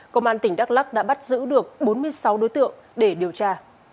công an tỉnh đắk lắc đã bắt giữ được bốn mươi sáu đối tượng để điều tra